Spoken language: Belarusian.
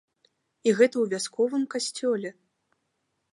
І гэта ў вясковым касцёле!